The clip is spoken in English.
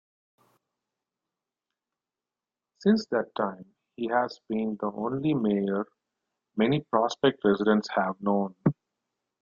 Since that time, he has been the only mayor many Prospect residents have known.